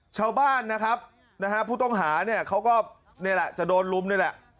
ชาวบ้านนะครับผู้ต้องหาเนี่ยเขาก็จะโดนลุ้มเนี่ยแหละ